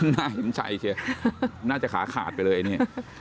หน้าเห็นชัยเชียวน่าจะขาขาดไปเลยเนี่ย